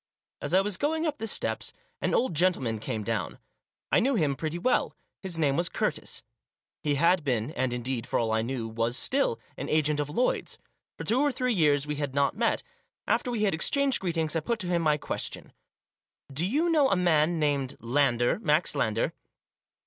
As I was going up the steps an old gentleman came down. I knew him pretty well. His name was Curtis. He had been, and, indeed, for all I knew, was still an agent of Lloyd's. For two or three years we had not met. After we had exchanged greetings, I put to him my question. "Do you know a man named Lander, Max Lander